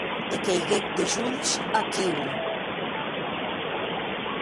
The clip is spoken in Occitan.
E queiguec de jolhs aquiu.